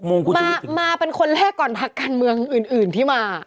๖โมงคุณชุวิตมาเป็นคนแรกก่อนพักกันเมืองอื่นที่มา